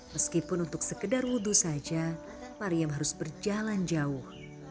meskipun untuk sekedar wudhu saja pariam harus berjalan jauh